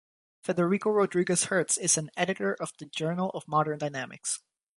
Federico Rodriguez Hertz is an editor of the "Journal of Modern Dynamics".